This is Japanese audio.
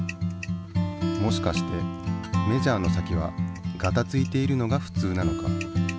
もしかしてメジャーの先はガタついているのがふつうなのか？